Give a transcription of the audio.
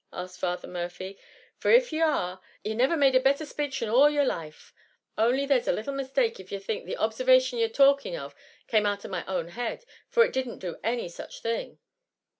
asked Father Murphy, " for if ye are, ye never made a betther spach in all your life ; only there's a little misthake if ye think the ob servation ye're talking of came out of my own head, for it didn't do any such thing."